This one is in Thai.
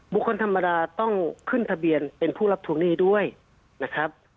คนธรรมดาต้องขึ้นทะเบียนเป็นผู้รับทวงหนี้ด้วยนะครับ